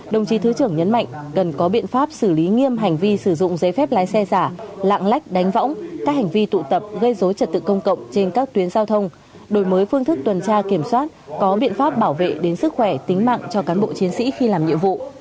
đồng chí thứ trưởng nhấn mạnh cần có biện pháp xử lý nghiêm hành vi sử dụng giấy phép lái xe giả lạng lách đánh võng các hành vi tụ tập gây dối trật tự công cộng trên các tuyến giao thông đổi mới phương thức tuần tra kiểm soát có biện pháp bảo vệ đến sức khỏe tính mạng cho cán bộ chiến sĩ khi làm nhiệm vụ